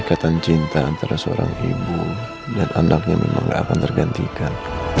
ikatan cinta antara seorang ibu dan anaknya memang tidak akan tergantikan